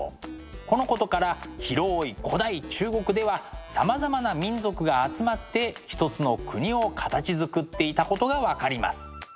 このことから広い古代中国ではさまざまな民族が集まって一つの国を形づくっていたことが分かります。